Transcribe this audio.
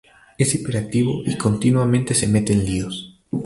Es hiperactivo y continuamente se mete en líos.